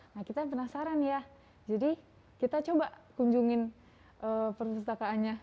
nah kita penasaran ya jadi kita coba kunjungin perpustakaannya